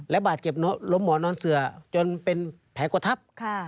และบาดเจ็บล้มหมอนอนเสือจนเป็นแผลกดทับ